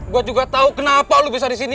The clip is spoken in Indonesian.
gue juga tahu kenapa lo bisa disini